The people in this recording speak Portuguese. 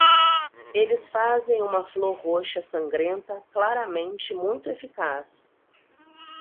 Eles fazem uma flor roxa sangrenta claramente muito eficaz.